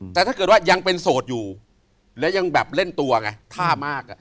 แต่ถ้าเกิดว่ายังเป็นโสดอยู่แล้วยังแบบเล่นตัวไงท่ามาก